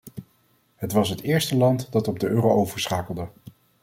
Het was het eerste land dat op de euro overschakelde.